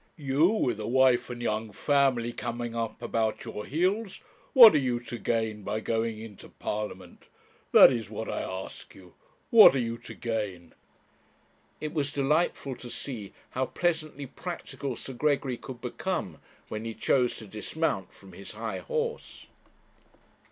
You, with a wife and young family coming up about your heels, what are you to gain by going into Parliament? That is what I ask you. What are you to gain?' It was delightful to see how pleasantly practical Sir Gregory could become when he chose to dismount from his high horse.